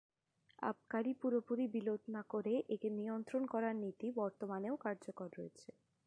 আবকারি পুরোপুরি বিলোপ না করে একে নিয়ন্ত্রণ করার নীতি বর্তমানেও কার্যকর রয়েছে।